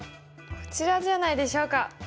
こちらじゃないでしょうか。